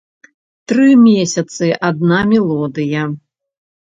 Тры месяцы адна мелодыя.